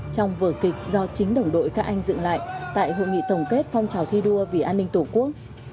trong vở kịch do chính đồng đội các anh dựng lại tại hội nghị tổng kết phong trào thi đua vì an ninh tổ quốc